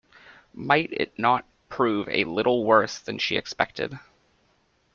Might it not prove a little worse than she expected?